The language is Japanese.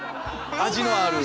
味のある。